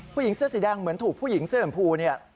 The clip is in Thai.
ผู้หญิงเสื้อสีแดงเหมือนถูกผู้หญิงเสื้อชมพูเนี่ย